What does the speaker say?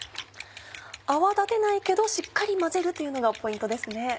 泡立てないけどしっかり混ぜるというのがポイントですね。